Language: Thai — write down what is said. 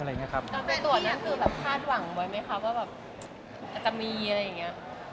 ตัวนั้นคือคาดหวังบ่อยไหมครับว่าจะมีอะไรอย่างนี้